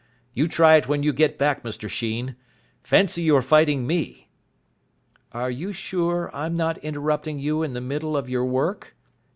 You try it when you get back, Mr Sheen. Fancy you're fighting me." "Are you sure I'm not interrupting you in the middle of your work?"